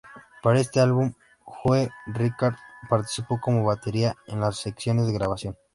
Para este álbum Joe Rickard participó como batería en las sesiones de grabación.